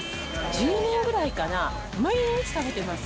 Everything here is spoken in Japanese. １０年ぐらいかな、毎日食べてます。